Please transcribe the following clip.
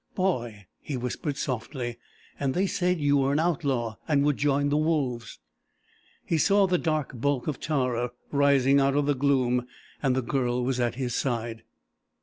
"Boy!" he whispered softly. "And they said you were an outlaw, and would join the wolves...." He saw the dark bulk of Tara rising out of the gloom, and the Girl was at his side.